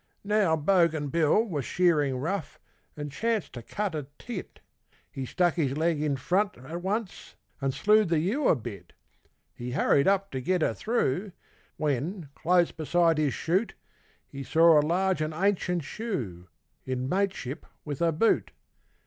Now Bogan Bill was shearing rough and chanced to cut a teat; He stuck his leg in front at once, and slewed the ewe a bit; He hurried up to get her through, when, close beside his shoot, He saw a large and ancient shoe, in mateship with a boot.